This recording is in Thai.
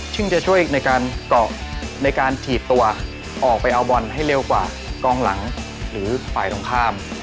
ซึ่งจะช่วยในการเกาะในการถีบตัวออกไปเอาบอลให้เร็วกว่ากองหลังหรือฝ่ายตรงข้าม